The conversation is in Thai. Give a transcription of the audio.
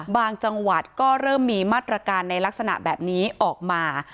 จังหวัดก็เริ่มมีมาตรการในลักษณะแบบนี้ออกมา